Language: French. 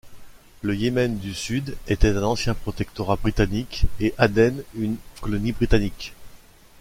Le Yémen du Sud était un ancien protectorat britannique, et Aden, une colonie britannique.